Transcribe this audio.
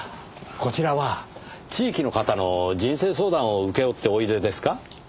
こちらは地域の方の人生相談を請け負っておいでですか？